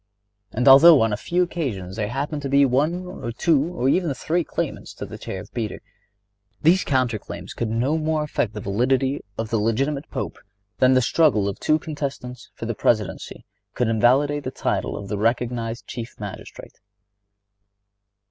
And although on a few occasions there happened to be two or even three claimants for the chair of Peter, these counter claims could no more affect the validity of the legitimate Pope than the struggle of two contestants for the Presidency could invalidate the title of the recognized Chief Magistrate.